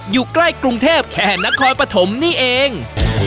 อยู่ใกล้กรุงเทพแค่นครปฐมนี่เอง